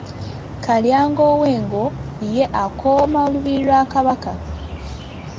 Kalyango ow'engo ye akooma olubiri lwa Kabaka.